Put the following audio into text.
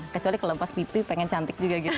kecuali kalau pas pipi pengen cantik juga gitu